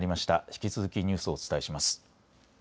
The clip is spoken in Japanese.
引き続きニュースをお伝えします。